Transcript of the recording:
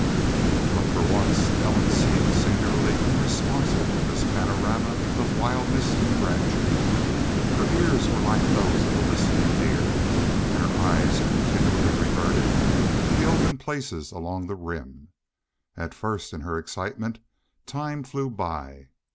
But for once Ellen seemed singularly unresponsive to this panorama of wildness and grandeur. Her ears were like those of a listening deer, and her eyes continually reverted to the open places along the Rim. At first, in her excitement, time flew by.